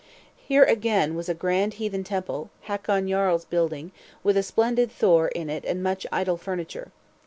Here again was a grand heathen temple, Hakon Jarl's building, with a splendid Thor in it and much idol furniture.